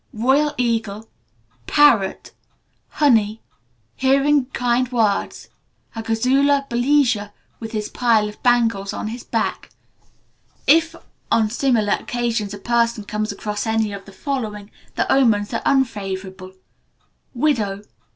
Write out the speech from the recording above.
Royal eagle. Parrot. Honey. Hearing kind words. A Gazula Balija with his pile of bangles on his back. If, on similar occasions, a person comes across any of the following, the omens are unfavourable: Widow.